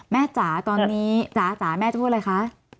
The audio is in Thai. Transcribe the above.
แม่จ๋าตอนนี้จ๋าแม่จะพูดอะไรคะ